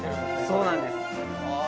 そうなんですはあ